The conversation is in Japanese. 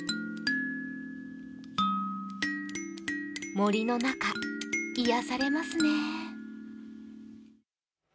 森の中、癒やされますね。